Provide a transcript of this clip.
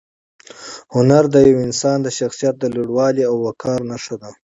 هنر د یو انسان د شخصیت د لوړوالي او وقار نښه ده.